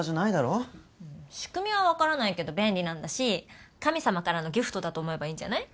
仕組みは分からないけど便利なんだし神様からのギフトだと思えばいいんじゃない？